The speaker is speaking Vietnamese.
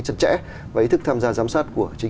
chặt chẽ và ý thức tham gia giám sát của chính